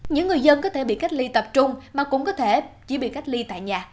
những người dân có thể bị cách ly tập trung mà cũng có thể chỉ bị cách ly tại nhà